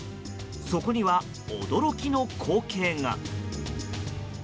そこには、驚きの光景が。